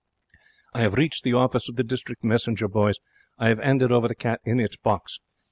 I have reached the office of the District Messenger Boys. I have 'anded over the cat in its box.